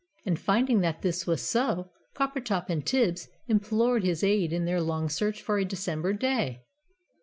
And finding that this was so, Coppertop and Tibbs implored his aid in their long search for a December day.